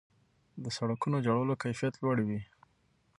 د سړکونو جوړولو کیفیت لوړ وي.